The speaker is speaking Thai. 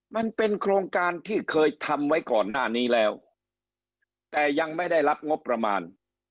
มันเป็นโครงการที่เคยทำไว้ก่อนหน้านี้แล้วแต่ยังไม่ได้รับงบประมาณ